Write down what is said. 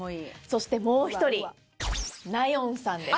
そしてもう一人ナヨンさんです。